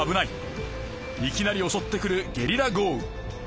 いきなりおそってくるゲリラ豪雨。